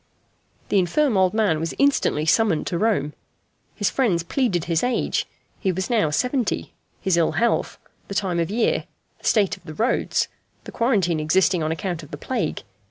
The infirm old man was instantly summoned to Rome. His friends pleaded his age he was now seventy his ill health, the time of year, the state of the roads, the quarantine existing on account of the plague.